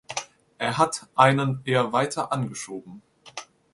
Er hat einen eher weiter angeschoben.